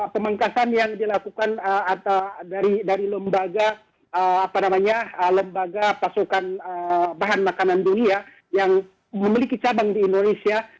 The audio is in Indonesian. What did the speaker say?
pemengkasan yang dilakukan dari lembaga pasokan bahan makanan dunia yang memiliki cabang di indonesia